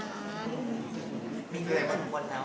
มีเงินบางคนแล้ว